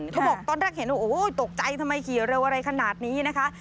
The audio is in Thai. เขาบอกตอนแรกเห็นว่าโอ้โหตกใจทำไมขี่เร็วอะไรขนาดนี้นะคะ